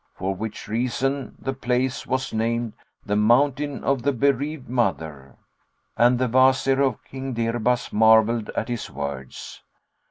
For which reason the place was named the Mountain of the Bereaved Mother." And the Wazir of King Dirbas marvelled at his words.